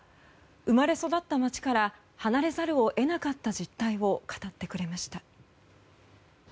生まれ育った街から離れざるを得なかった実態を語ってくれました。